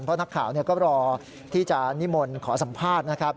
เพราะนักข่าวก็รอที่จะนิมนต์ขอสัมภาษณ์นะครับ